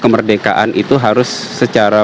kemerdekaan itu harus secara